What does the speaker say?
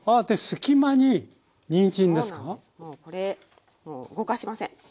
もうこれもう動かしません！